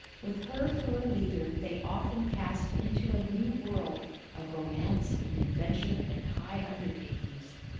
With her for a leader they often passed into a new world of romance and adventure and high undertakings.